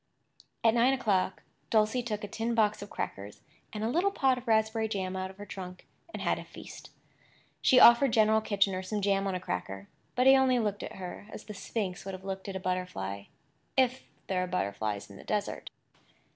At nine o'clock Dulcie took a tin box of crackers and a little pot of raspberry jam out of her trunk, and had a feast. She offered General Kitchener some jam on a cracker; but he only looked at her as the sphinx would have looked at a butterfly—if there are butterflies in the desert.